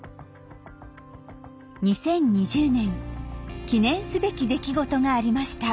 ２０２０年記念すべき出来事がありました。